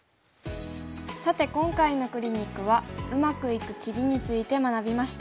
さて今回のクリニックはうまくいく切りについて学びました。